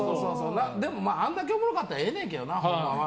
でも、あんだけおもろかったらええねんけどな。